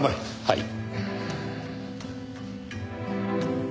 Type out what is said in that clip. はい。